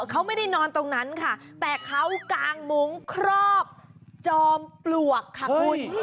เขาไม่ได้นอนตรงนั้นค่ะแต่เขากางมุ้งครอบจอมปลวกค่ะคุณ